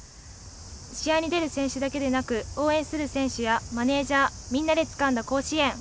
試合に出る選手だけでなく応援する選手やマネージャーみんなでつかんだ甲子園。